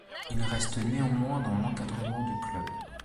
Il reste néanmoins dans l'encadrement du club.